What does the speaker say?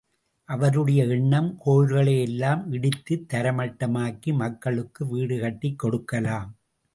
அவருடைய எண்ணம் கோவில்களை எல்லாம் இடித்து தரைமட்டமாக்கி மக்களுக்கு வீடு கட்டிக் கொடுக்கலாம்.